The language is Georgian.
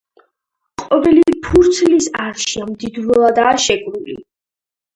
ყოველი ფურცლის არშია მდიდრულადაა შემკული.